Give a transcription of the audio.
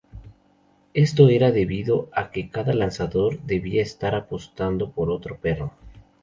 Esto era debido a que cada lanzador debía estar apostando por otro perro.